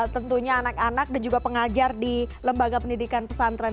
tentunya anak anak dan juga pengajar di lembaga pendidikan pesantren